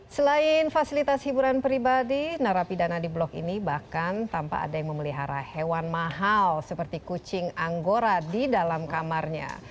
selain fasilitas hiburan pribadi narapidana di blok ini bahkan tanpa ada yang memelihara hewan mahal seperti kucing anggora di dalam kamarnya